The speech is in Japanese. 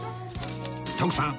徳さん